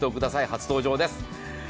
初登場です。